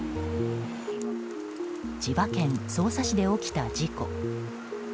千葉県匝瑳市で起きた事故。